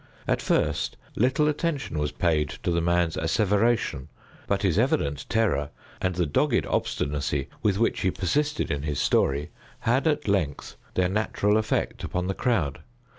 At first little attention was paid to the man's asseveration; but his evident terror, and the dogged obstinacy with which he persisted in his story, had at length their natural effect upon the crowd.